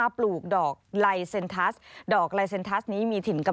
ปลูกและตัดขาย